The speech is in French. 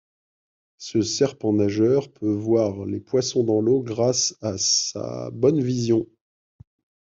Ce serpent nageur peut voir les poissons dans l'eau grâce à sa bonne vision.